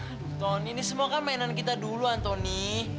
aduh ton ini semuakan mainan kita dulu anthony